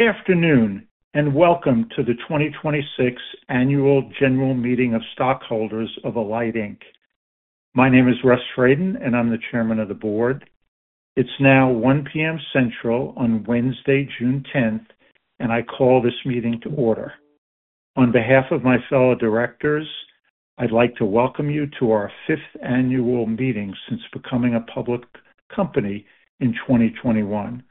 Good afternoon, welcome to the 2026 Annual General Meeting of Stockholders of Alight, Inc. My name is Russ Fradin, and I'm the chairman of the board. It's now 1:00 P.M. Central on Wednesday, June 10th, I call this meeting to order. On behalf of my fellow directors, I'd like to welcome you to our fifth annual meeting since becoming a public company in 2021.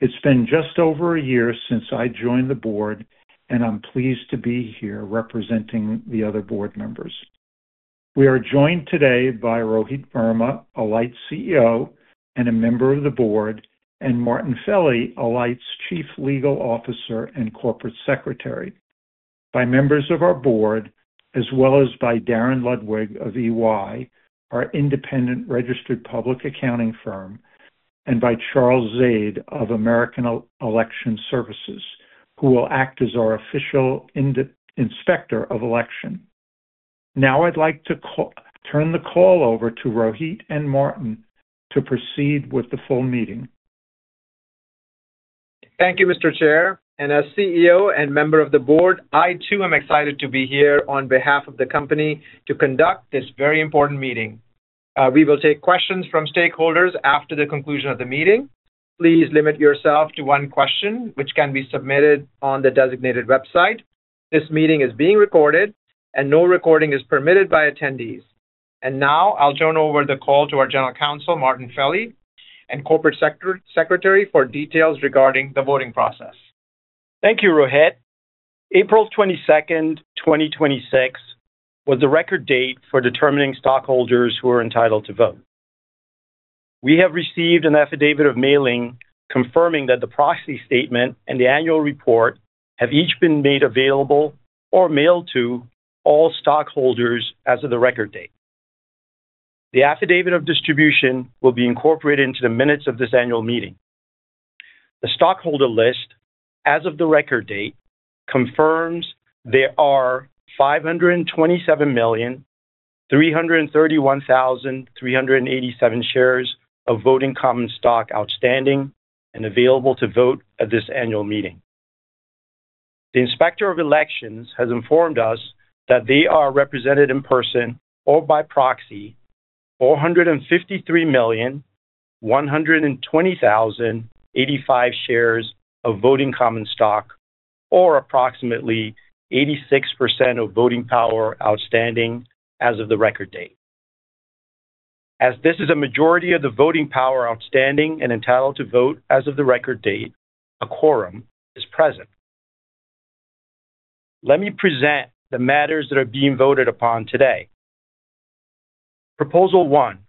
It's been just over a year since I joined the board, I'm pleased to be here representing the other board members. We are joined today by Rohit Verma, Alight's CEO and a member of the board, Martin Felli, Alight's Chief Legal Officer and Corporate Secretary, by members of our board, as well as by Darren Ludwig of EY, our independent registered public accounting firm, by Charles Zide of American Election Services, who will act as our official inspector of election. Now I'd like to turn the call over to Rohit and Martin to proceed with the full meeting. Thank you, Mr. Chair. As CEO and member of the board, I too am excited to be here on behalf of the company to conduct this very important meeting. We will take questions from stakeholders after the conclusion of the meeting. Please limit yourself to one question, which can be submitted on the designated website. This meeting is being recorded, no recording is permitted by attendees. Now I'll turn over the call to our General Counsel, Martin Felli, and Corporate Secretary for details regarding the voting process. Thank you, Rohit. April 22nd, 2026, was the record date for determining stockholders who are entitled to vote. We have received an affidavit of mailing confirming that the proxy statement and the annual report have each been made available or mailed to all stockholders as of the record date. The affidavit of distribution will be incorporated into the minutes of this annual meeting. The stockholder list as of the record date confirms there are 527,331,387 shares of voting common stock outstanding and available to vote at this annual meeting. The Inspector of Elections has informed us that they are represented in person or by proxy 453,120,085 shares of voting common stock, or approximately 86% of voting power outstanding as of the record date. As this is a majority of the voting power outstanding and entitled to vote as of the record date, a quorum is present. Let me present the matters that are being voted upon today. Proposal one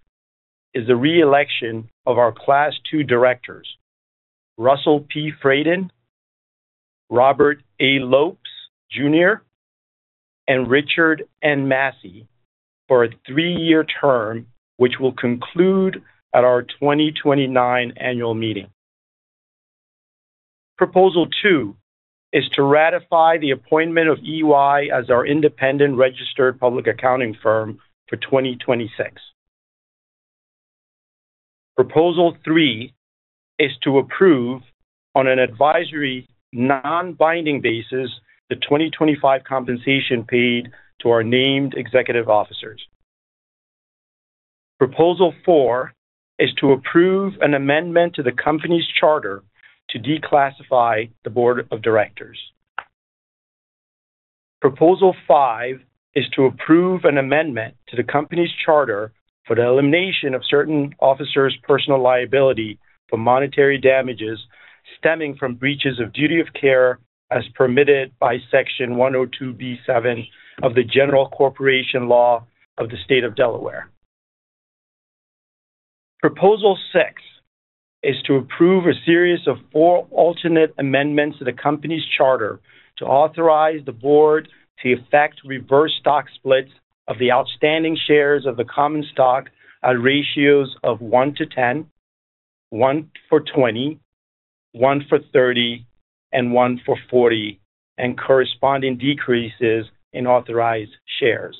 is the re-election of our Class II directors, Russell P. Fradin, Robert A. Lopes Jr., and Richard N. Massey for a three-year term, which will conclude at our 2029 annual meeting. Proposal two is to ratify the appointment of EY as our independent registered public accounting firm for 2026. Proposal three is to approve on an advisory, non-binding basis the 2025 compensation paid to our named executive officers. Proposal four is to approve an amendment to the company's charter to declassify the board of directors. Proposal five is to approve an amendment to the company's charter for the elimination of certain officers' personal liability for monetary damages stemming from breaches of duty of care as permitted by Section 102(b)(7) of the General Corporation Law of the State of Delaware. Proposal six is to approve a series of four alternate amendments to the company's charter to authorize the board to effect reverse stock splits of the outstanding shares of the common stock at ratios of one to 10, one for 20, one for 30, and one for 40, and corresponding decreases in authorized shares.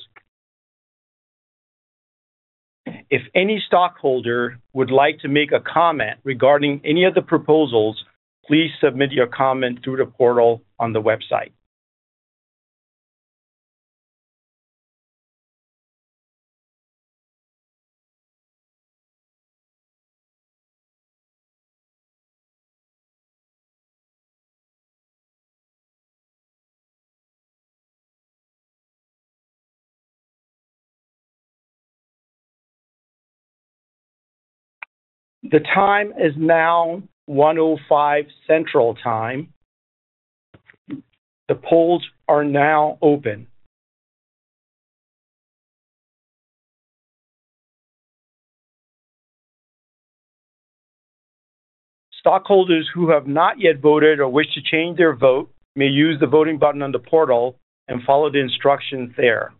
If any stockholder would like to make a comment regarding any of the proposals, please submit your comment through the portal on the website. The time is now 1:05 Central Time. The polls are now open. Stockholders who have not yet voted or wish to change their vote may use the voting button on the portal and follow the instructions there.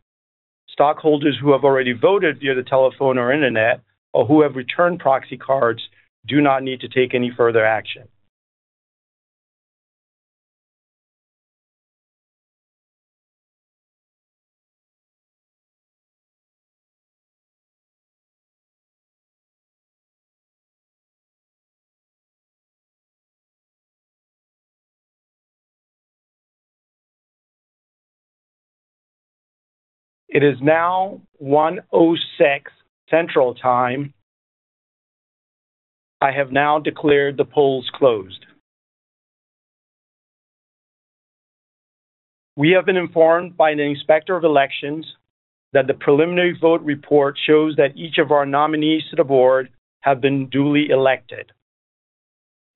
Stockholders who have already voted via the telephone or internet or who have returned proxy cards do not need to take any further action. It is now 1:06 Central Time. I have now declared the polls closed. We have been informed by the Inspector of Elections that the preliminary vote report shows that each of our nominees to the board have been duly elected,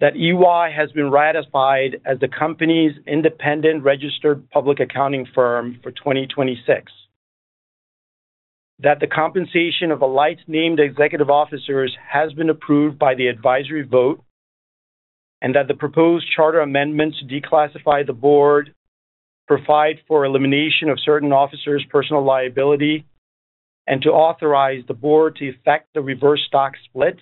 that EY has been ratified as the company's independent registered public accounting firm for 2026, that the compensation of Alight's named executive officers has been approved by the advisory vote, and that the proposed charter amendments declassify the board, provide for elimination of certain officers' personal liability, and to authorize the board to effect a reverse stock split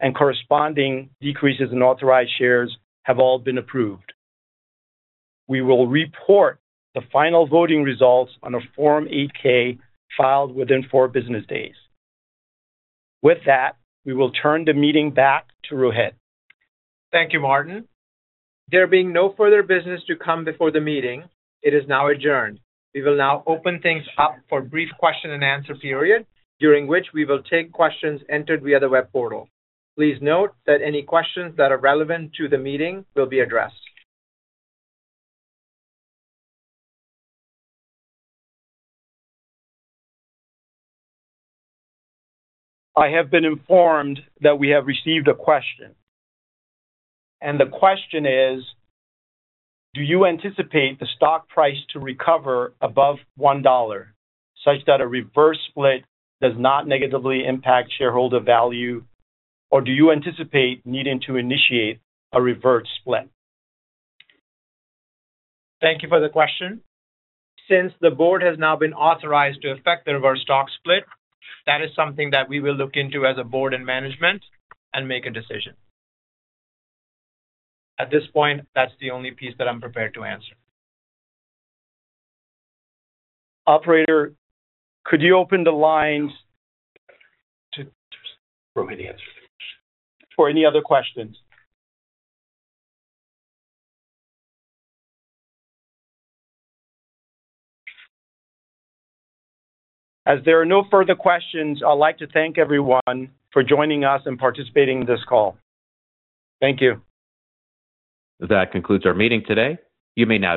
and corresponding decreases in authorized shares have all been approved. We will report the final voting results on a Form 8-K filed within four business days. With that, we will turn the meeting back to Rohit. Thank you, Martin. There being no further business to come before the meeting, it is now adjourned. We will now open things up for a brief question and answer period, during which we will take questions entered via the web portal. Please note that any questions that are relevant to the meeting will be addressed. I have been informed that we have received a question. The question is, do you anticipate the stock price to recover above $1 such that a reverse split does not negatively impact shareholder value, or do you anticipate needing to initiate a reverse split? Thank you for the question. Since the board has now been authorized to effect the reverse stock split, that is something that we will look into as a board and management and make a decision. At this point, that's the only piece that I'm prepared to answer. Operator, could you open the lines to Rohit to answer the question for any other questions. As there are no further questions, I'd like to thank everyone for joining us and participating in this call. Thank you. That concludes our meeting today. You may now disconnect.